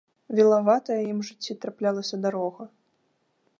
Вілаватая ім у жыцці траплялася дарога.